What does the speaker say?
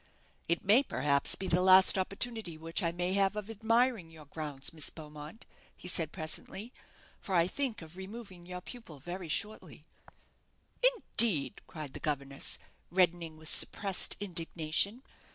"It may, perhaps, be the last opportunity which I may have of admiring your grounds, Miss Beaumont," he said, presently, "for I think of removing your pupil very shortly." "Indeed!" cried the governess, reddening with suppressed indignation.